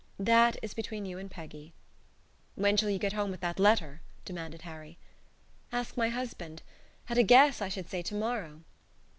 "That is between you and Peggy." "When shall you get home with that letter?" demanded Harry. "Ask my husband. At a guess, I should say tomorrow."